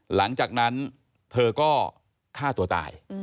หลังจากนั้นเธอก็ฆ่าตัวตาย